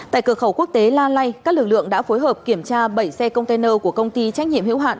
tại cửa khẩu quốc tế la lai các lực lượng đã phối hợp kiểm tra bảy xe container của công ty trách nhiệm hữu hạn